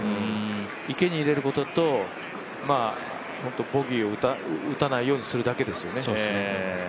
池に入れることと、ボギーを打たないようにするだけですよね。